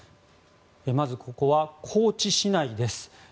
まずここは高知市内です。